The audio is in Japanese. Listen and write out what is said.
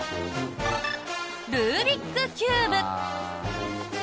ルービックキューブ。